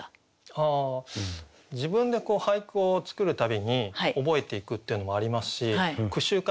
あ自分で俳句を作る度に覚えていくっていうのもありますし句集か